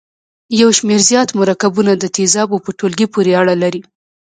یو شمیر زیات مرکبونه د تیزابو په ټولګي پورې اړه لري.